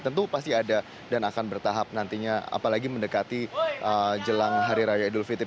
tentu pasti ada dan akan bertahap nantinya apalagi mendekati jelang hari raya idul fitri